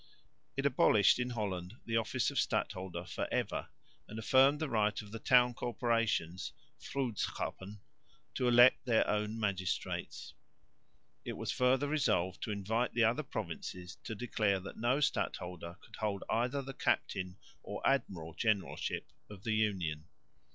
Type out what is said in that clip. It abolished in Holland the office of stadholder for ever and affirmed the right of the town corporations (vroedschappen) to elect their own magistrates. It was further resolved to invite the other provinces to declare that no stadholder could hold either the captain or admiral generalship of the Union.